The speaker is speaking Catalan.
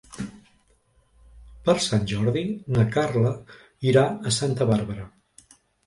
Per Sant Jordi na Carla irà a Santa Bàrbara.